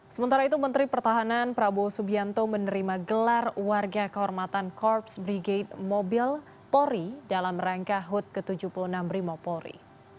sementara itu menteri pertahanan prabowo subianto menerima gelar warga kehormatan korps brigade mobil polri dalam rangka hut ke tujuh puluh enam brimo polri